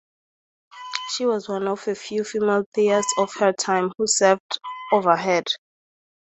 She was one of a few female players of her time who served overhead.